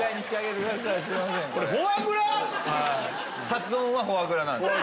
発音はフォアグラなんです。